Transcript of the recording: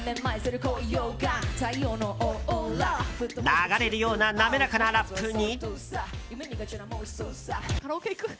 流れるような滑らかなラップに。